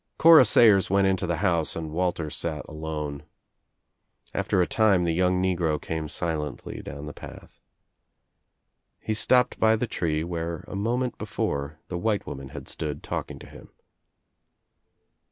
Cora Sayers went into the house and Walter sat alone. After a time the young negro came silently down the path. He stopped by the tree where a moment before the white woman had stood talking to him.